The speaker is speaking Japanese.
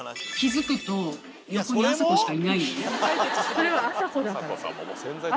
それはあさこだから。